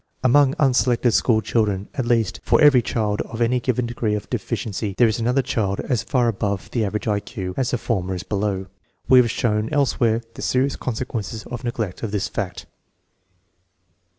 Among unselected school children, at least, for every child of any given degree of deficiency there is another child as far above the average I Q as the former is below. We have shown elsewhere the serious consequences of neglect of this fact.